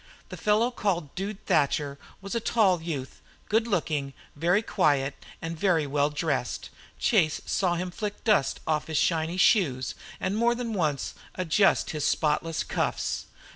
The fellow called Dude Thatcher was a tall youth, good looking, very quiet, and very well dressed. Chase saw him flick dust off his shiny shoes, and more than once adjust his spotless cuffs.